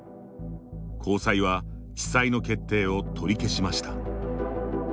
高裁は地裁の決定を取り消しました。